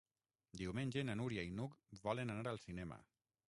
Diumenge na Núria i n'Hug volen anar al cinema.